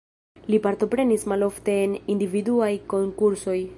Li partoprenis malofte en individuaj konkursoj.